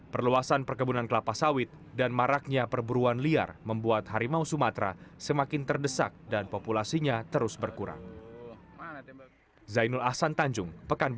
perluasan perkebunan kelapa sawit dan maraknya perburuan liar membuat harimau sumatera semakin terdesak dan populasinya terus berkurang